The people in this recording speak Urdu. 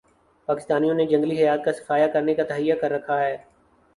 پاکستانیوں نے جنگلی حیات کا صفایا کرنے کا تہیہ کر رکھا ہے